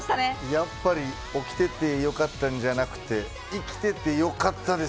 やっぱり、起きててよかったんじゃなくて生きててよかったです。